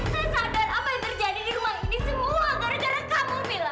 saya sadar apa yang terjadi di rumah ini semua gara gara kamu bela